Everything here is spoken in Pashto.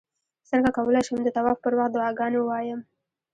څنګه کولی شم د طواف پر وخت دعاګانې ووایم